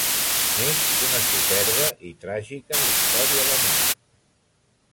Neix una superba i tràgica història d'amor.